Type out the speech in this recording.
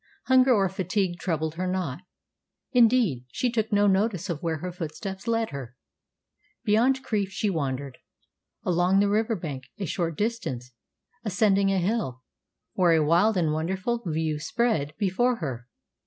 Hunger or fatigue troubled her not. Indeed, she took no notice of where her footsteps led her. Beyond Crieff she wandered, along the river bank a short distance, ascending a hill, where a wild and wonderful view spread before her.